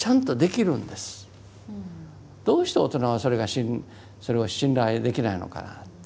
うん。どうして大人はそれがそれを信頼できないのかなって。